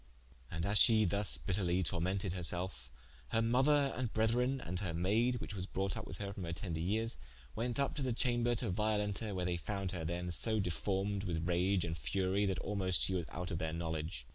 And as she thus bitterly tormented her selfe, her mother and brethren, and her maide, whiche was brought vp with her from her tender yeres, went vp to the chamber to Violenta, where they found her then so deformed with rage and furie, that almoste she was out of their knowledge.